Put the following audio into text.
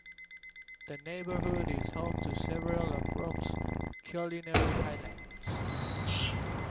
The neighborhood is home to several of Rome's culinary highlights.